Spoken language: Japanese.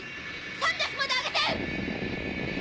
３００まで上げて！